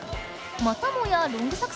またもやロング作戦か？